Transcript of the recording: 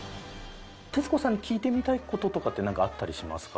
徹子さんに聞いてみたい事とかってなんかあったりしますか？